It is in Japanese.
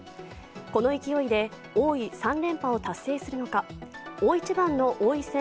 この勢いで王位３連覇を達成するのか大一番の王位戦